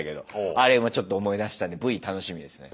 あれちょっと思い出したんでＶ楽しみですよね。